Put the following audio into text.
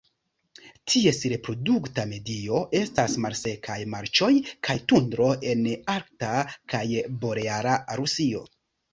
Ties reprodukta medio estas malsekaj marĉoj kaj tundro en arkta kaj boreala Rusio.